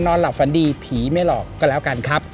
นอนหลับฝันดีผีไม่หลอกก็แล้วกันครับ